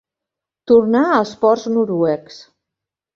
Tornar als ports noruecs.